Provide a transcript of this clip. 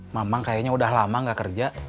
memang kayaknya udah lama gak kerja